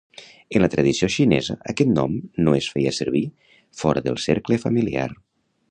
En la tradició xinesa, aquest nom no es feia servir fora del cercle familiar.